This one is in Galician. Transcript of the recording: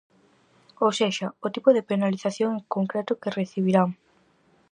Ou sexa: o tipo de penalización en concreto que recibirán.